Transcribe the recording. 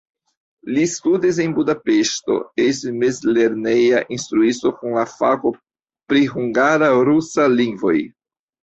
Li studis en Budapeŝto, estis mezlerneja instruisto kun la fako pri hungara-rusa lingvoj.